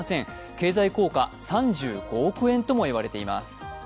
経済効果は３５億円ともいわれています。